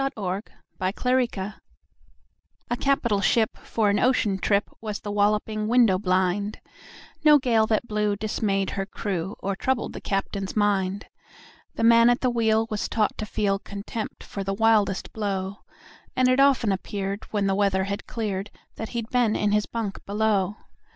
Y Z A Nautical Ballad A CAPITAL ship for an ocean trip Was The Walloping Window blind No gale that blew dismayed her crew Or troubled the captain's mind. The man at the wheel was taught to feel Contempt for the wildest blow, And it often appeared, when the weather had cleared, That he'd been in his bunk below.